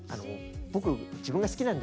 僕自分が好きなんですね。